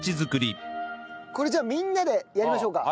これじゃあみんなでやりましょうか。